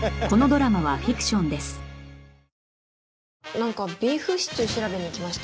なんかビーフシチュー調べに行きました。